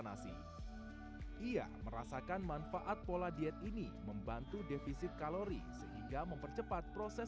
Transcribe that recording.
nasi ia merasakan manfaat pola diet ini membantu defisit kalori sehingga mempercepat proses